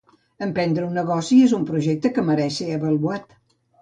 Emprendre un negoci és un projecte que mereix ser avaluat.